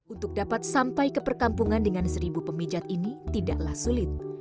untuk dapat sampai ke perkampungan dengan seribu pemijat ini tidaklah sulit